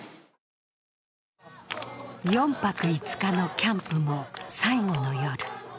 ４泊５日のキャンプも最後の夜。